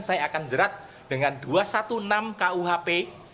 saya akan jerat dengan dua ratus enam belas kuhp